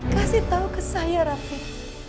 kasih tahu ke saya raffic